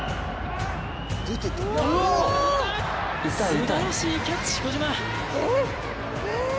すばらしいキャッチ小島。